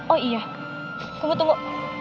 oh iya kamu tunggu